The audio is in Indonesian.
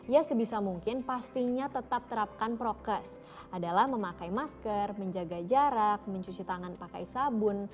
ya sebisa mungkin pastinya tetap terapkan prokes adalah memakai masker menjaga jarak mencuci tangan pakai sabun